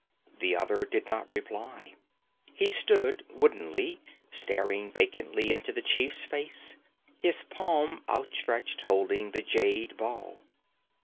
The other did not reply; he stood woodenly, staring vacantly into the chief's face, his palm outstretched holding the jade ball.